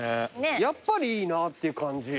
やっぱりいいなって感じ。